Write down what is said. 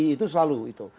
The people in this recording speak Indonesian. itu selalu itu